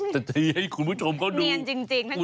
จะทีให้คุณผู้ชมเข้าดู